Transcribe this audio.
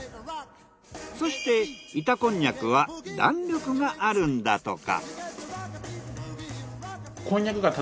そして板こんにゃくは弾力があるんだとか。